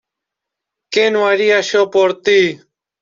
¡ qué no haría yo por ti!...